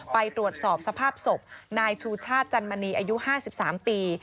ไปตรวจสอบสภาพศพนายชูชาติจันมณีอายุ๕๓ปี